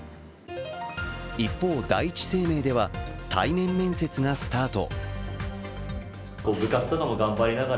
一方、第一生命では対面面接がスタート。